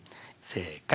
正解。